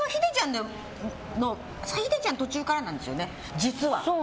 秀ちゃんは途中からなんだよね、実は。